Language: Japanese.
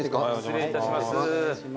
失礼いたします。